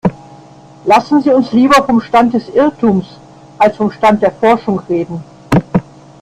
Lassen Sie uns lieber vom Stand des Irrtums als vom Stand der Forschung reden.